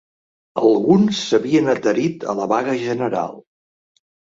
Alguns s'havien adherit a la vaga general